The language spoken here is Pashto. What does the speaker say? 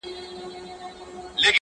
ما خو گيله ترې په دې په ټپه کي وکړه;